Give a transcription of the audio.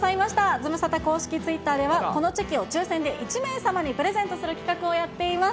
ズムサタ公式ツイッターでは、このチェキを抽せんで１名様にプレゼントする企画をやっています。